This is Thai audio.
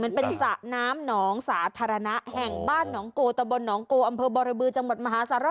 มันเป็นสระน้ำหนองสาธารณะแห่งบ้านหนองโกตะบนหนองโกอำเภอบรบือจังหวัดมหาสาร